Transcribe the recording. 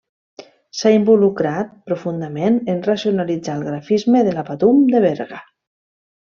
S'ha involucrat profundament en racionalitzar el grafisme de La Patum de Berga.